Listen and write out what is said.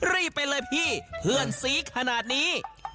รีบไปเลยพี่เพื่อนสีขนาดนี้